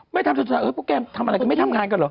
ไม่ทำสนใจพวกแกทำอะไรกันไม่ทำงานกันเหรอ